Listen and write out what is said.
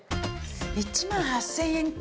１万８０００円か。